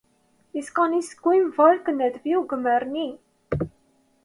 Իսկ ան իսկոյն վար կը նետուի ու կը մեռնի։